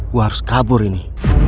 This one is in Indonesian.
gue harus kabur ini